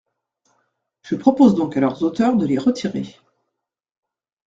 Je propose donc à leurs auteurs de les retirer.